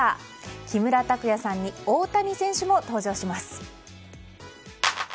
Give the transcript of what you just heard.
木村拓哉さんに大谷翔平選手も登場します。